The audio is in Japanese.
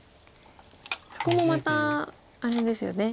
そこもまたあれですよね